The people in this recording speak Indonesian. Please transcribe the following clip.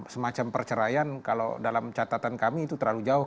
semacam perceraian kalau dalam catatan kami itu terlalu jauh